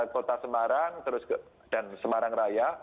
kota semarang dan semarang raya